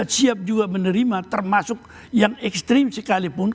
siap juga menerima termasuk yang ekstrim sekalipun